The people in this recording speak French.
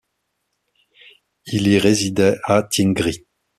Il y résidait à Tingri.